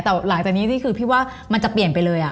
แต่หลังจากนี้นี่คือพี่ว่ามันจะเปลี่ยนไปเลย